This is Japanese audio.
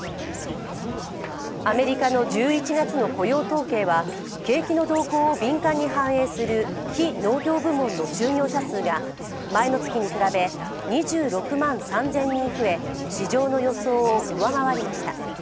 アメリカの１１月の雇用統計は、景気の動向を敏感に反映する非農業部門の就業者数が前の月に比べ２６万３０００人増え、市場の予想を上回りました。